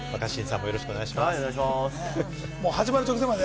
若新さんもよろしくお願いします。